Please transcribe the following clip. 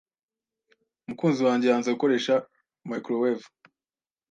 Umukunzi wanjye yanze gukoresha microwave.